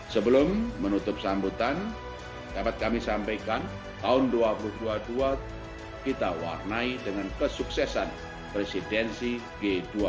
sebelum menutup sambutan dapat kami sampaikan tahun dua ribu dua puluh dua kita warnai dengan kesuksesan presidensi g dua puluh